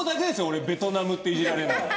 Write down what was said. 俺ベトナムっていじられるの。